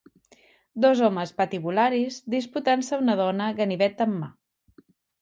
Dos homes patibularis disputant-se una dona, ganivet en mà.